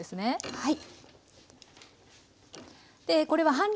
はい。